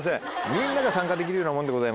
みんなが参加できるようなもんでございます。